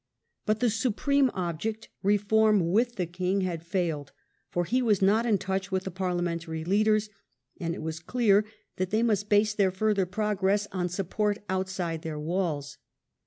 But the supreme object, reform with the king, had failed; he was not in touch with the Parliamentary leaders, and it was clear that they must base their further progress on support outside their walls.